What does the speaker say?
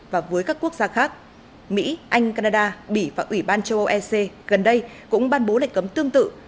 và với các quốc gia khác mỹ anh canada bỉ và ủy ban châu âu ec gần đây cũng ban bố lệnh cấm tương tự